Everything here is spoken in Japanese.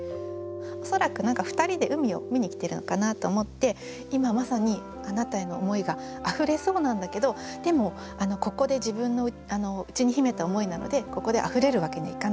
恐らく何か２人で海を見に来てるのかなと思って今まさにあなたへの思いが溢れそうなんだけどでもここで自分の内に秘めた思いなのでここで溢れるわけにはいかない。